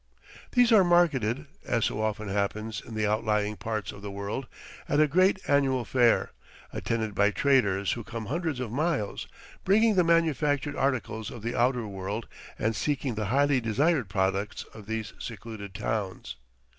These are marketed, as so often happens in the outlying parts of the world, at a great annual fair, attended by traders who come hundreds of miles, bringing the manufactured articles of the outer world and seeking the highly desired products of these secluded towns.